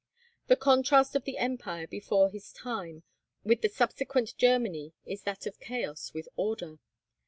The contrast of the empire before his time with the subsequent Germany is that of chaos with order.